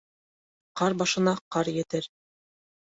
Ҡар башына ҡар етер.